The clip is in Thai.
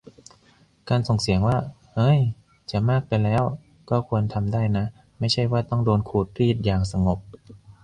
การส่งเสียงว่า "เฮ้ย จะมากไปแล้ว" ก็ควรทำได้นะ ไม่ใช่ว่าต้องโดนขูดรีดอย่างสงบ